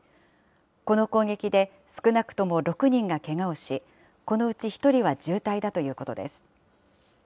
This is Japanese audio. この攻撃で少なとも６人がけがをし、このうち１人は重体だということです。